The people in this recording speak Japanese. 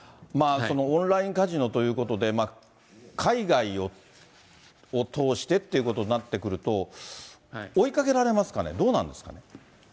オンラインカジノということで、海外を通してっていうことになってくると、追いかけられますかね、どうなんですかね？